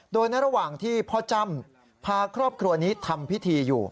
โดยในระหว่างที่พ่อจ้ำพาครอบครัวนี้ทำพิธีอยู่